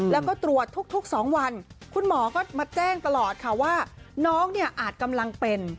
แล้วก็ตรวจทุก๒วันคุณหมอก็มาแจ้งตลอดค่ะว่าน้องเนี่ยอาจกำลังเป็น